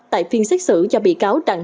tại phiên xét xử do bị cáo đặng